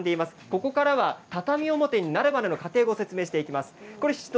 ここからは畳表になるまでの過程をご紹介していきます。